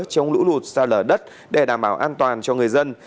trong lũ lụt ra lở đất để đảm bảo an toàn cho người dân